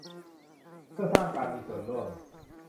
เพื่อสร้างการมีส่วนร่วม